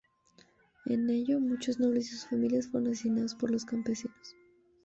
En ello, muchos nobles y sus familias fueron asesinados por los campesinos.